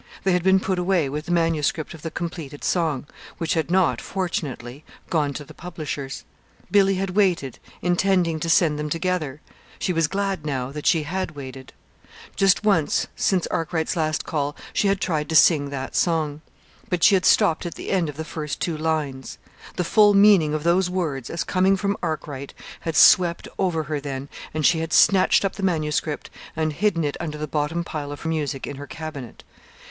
They had been put away with the manuscript of the completed song, which had not, fortunately, gone to the publishers. Billy had waited, intending to send them together. She was so glad, now, that she had waited. Just once, since Arkwright's last call, she had tried to sing that song. But she had stopped at the end of the first two lines. The full meaning of those words, as coming from Arkwright, had swept over her then, and she had snatched up the manuscript and hidden it under the bottom pile of music in her cabinet